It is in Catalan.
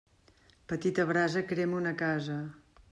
Petita brasa crema una casa.